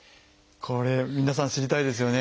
これ皆さん知りたいですよね。